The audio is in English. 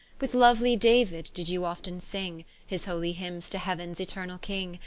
With louely Dauid you did often sing, His holy Hymnes to Heauens Eternall King.